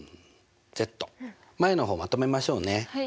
前の方まとめましょうね。